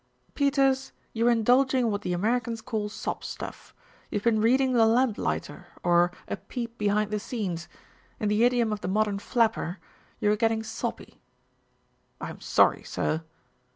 "Peters, you're indulging in what the Americans call 'sob stuff.' You've been reading The Lamplighter or A. Peep Behind the Scenes. In the idiom of the modern flapper, you're getting soppy." "I'm sorry, sir."